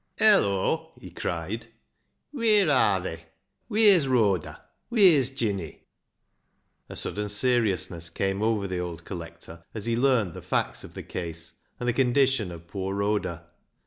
" Hello !" he cried ;" wheer arr they ? Wheer's Rhoda ? Wheer's Jinny ?" A sudden seriousness came over the old collector as he learned the facts of the case and the condition of poor Rhoda.